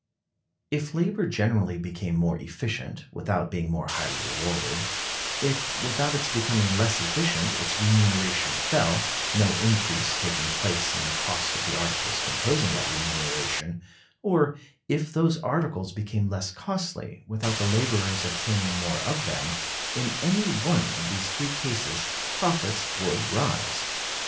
If labor generally became more efficient, without being more highly rewarded; if, without its becoming less efficient, its remuneration fell, no increase taking place in the cost of the articles composing that remuneration; or if those articles became less costly, without the laborers obtaining more of them; in any one of these three cases, profits would rise.